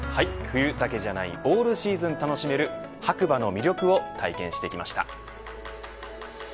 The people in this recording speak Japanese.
冬だけじゃないオールシーズン楽しめる白馬の魅力を体験してきました。